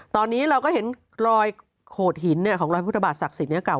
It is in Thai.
ตอนนี้เราก็เห็นรอยโขดหินของรอยพุทธบาทศักดิ์สิทธิ์เก่า